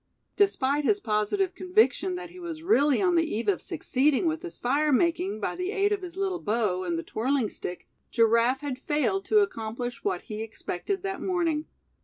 Despite his positive conviction that he was really on the eve of succeeding with his fire making, by the aid of his little bow, and the twirling stick, Giraffe had failed to accomplish what he expected that morning.